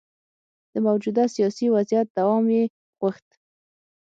د موجوده سیاسي وضعیت دوام یې غوښت.